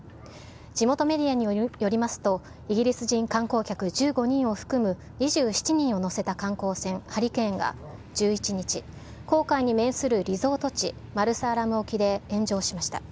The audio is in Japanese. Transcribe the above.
地元メディアによりますと、イギリス人観光客１５人を含む２７人を乗せた観光船ハリケーンが１１日、紅海に面するリゾート地、マルサアラム沖で炎上しました。